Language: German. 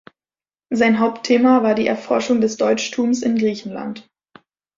Sein Hauptthema war die Erforschung des Deutschtums in Griechenland.